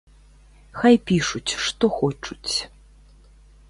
Хай пішуць што хочуць.